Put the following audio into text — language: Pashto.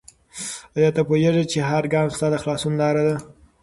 آیا ته پوهېږې چې هر ګام ستا د خلاصون لاره ده؟